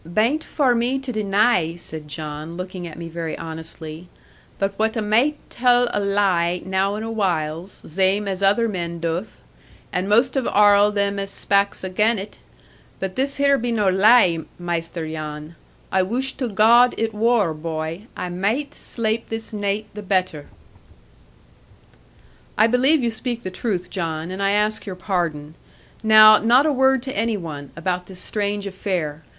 'Bain't for me to denai,' said John, looking at me very honestly, 'but what a maight tull a lai, now and awhiles, zame as other men doth, and most of arl them as spaks again it; but this here be no lai, Maister Jan. I wush to God it wor, boy: a maight slape this naight the better.' 'I believe you speak the truth, John; and I ask your pardon. Now not a word to any one, about this strange affair.